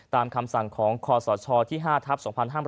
ตามคำสั่งของคศที่๕ทัพ๒๕๖๒